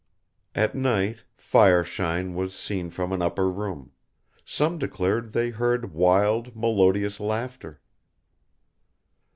At night fire shine was seen from an upper room; some declared they heard wild, melodious laughter.